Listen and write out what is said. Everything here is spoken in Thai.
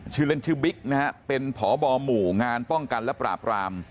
ชื่อเล่นชื่อบิ๊กนะฮะเป็นพบหมู่งานป้องกันและปราบราม